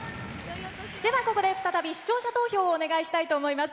では、ここで再び視聴者投票をお願いしたいと思います。